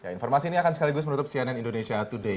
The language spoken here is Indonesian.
informasi ini akan sekaligus menutup cnn indonesia today